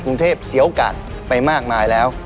กรุงเทพเสียโอกาสไปมากมายแล้ว